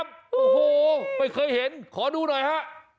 โอ้โหไม่เคยเห็นขอดูหน่อยฮะ